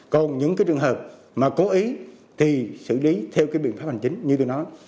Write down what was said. còn những trường hợp mà cố ý thì xử lý theo biện pháp hành chính như tôi nói